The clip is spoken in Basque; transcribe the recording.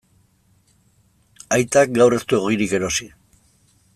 Aitak gaur ez du ogirik erosi.